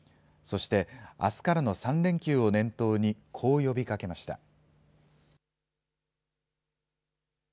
そして、あすからの３連休を念頭に、こう呼びかけました。